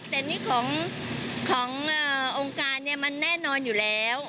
แต่นี่ขององค์การเนี่ยมันแน่นอนอยู่แล้ว